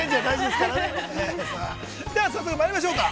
では、早速まいりましょうか。